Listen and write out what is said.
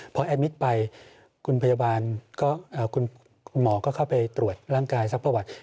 พอแอดมิตรไปคุณพยาบาลคุณหมอก็เข้าไปตรวจร่างกายซักประวัติ